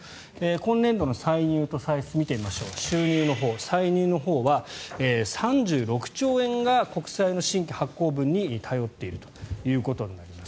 今年度の歳入と歳出を見てみましょう収入のほう、歳入のほうは３６兆円が国債の新規発行分に頼っているということになります。